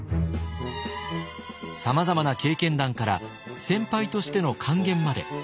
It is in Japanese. さまざまな経験談から先輩としての諫言まで。